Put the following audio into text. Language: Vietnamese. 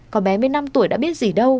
có bé một mươi năm tuổi đã biết gì đâu